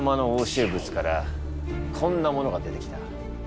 しゅう物からこんなものが出てきた。